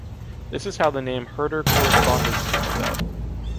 This is how the name "Herder Korrespondenz" came about.